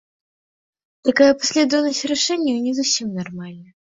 Такая паслядоўнасць рашэнняў не зусім нармальная.